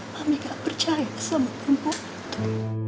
kami gak percaya sama perempuan itu